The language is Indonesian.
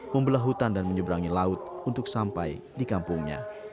membelah hutan dan menyeberangi laut untuk sampai di kampungnya